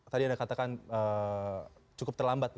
tadi anda katakan cukup terlambat